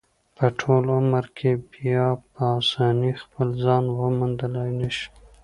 په ټول عمر کې بیا په اسانۍ خپل ځان موندلی نشي.